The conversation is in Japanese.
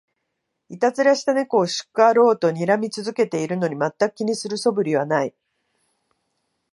いたずらした猫を叱ろうとにらみ続けてるのに、まったく気にする素振りはない